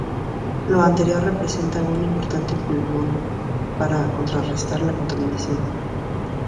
Lo anterior representa un importante pulmón para contrarrestar la contaminación.